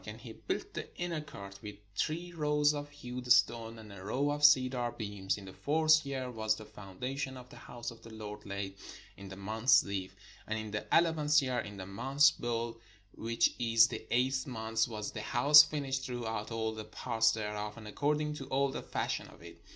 And he built the inner court with three rows of hewed stone, and a row of cedar beams. In the fourth year was the foundation of the house of the Lord laid, in the month Zif: and in the eleventh year, in the month Bui, which is the eighth month, was the house finished throughout all the parts thereof, and according to all the fashion of it.